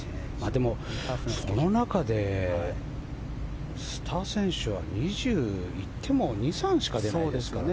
でも、その中でスター選手は２０行っても２３しか出ないですからね。